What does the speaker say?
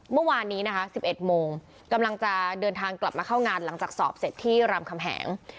เมื่อวานนี้นะคะ๑๑โมงกำลังจะเดินทางกลับมาเข้างานหลังจากสอบเสร็จที่รามคำแหง